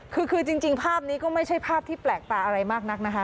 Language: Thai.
คือจริงภาพนี้ก็ไม่ใช่ภาพที่แปลกตาอะไรมากนักนะคะ